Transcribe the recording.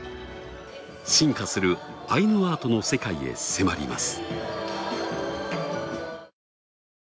進化するアイヌアートの世界へ迫ります。